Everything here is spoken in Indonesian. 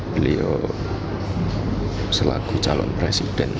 beliau selaku calon presiden